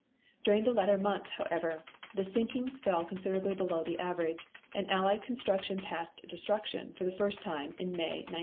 During the latter months, however, the sinkings fell considerably below the average, and allied construction passed destruction for the first time in May, 1918.